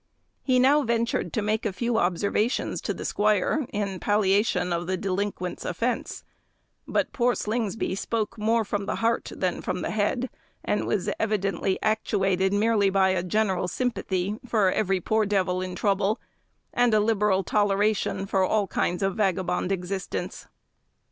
He now ventured to make a few observations to the squire in palliation of the delinquent's offence; but poor Slingsby spoke more from the heart than the head, and was evidently actuated merely by a general sympathy for every poor devil in trouble, and a liberal toleration for all kinds of vagabond existence.